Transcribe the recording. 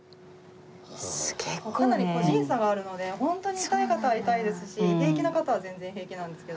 かなり個人差があるのでホントに痛い方は痛いですし平気な方は全然平気なんですけど。